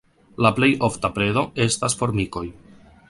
La plej ofta predo estas formikoj.